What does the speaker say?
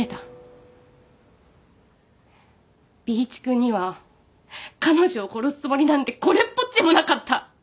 Ｂ一君には彼女を殺すつもりなんてこれっぽっちもなかった。